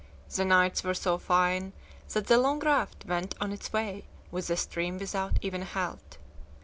The nights were so fine that the long raft went on its way with the stream without even a halt.